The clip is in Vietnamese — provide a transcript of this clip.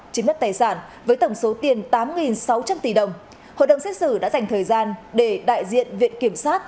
chiếm đất tài sản với tổng số tiền tám sáu trăm linh tỷ đồng hội đồng xét xử đã dành thời gian để đại diện viện kiểm sát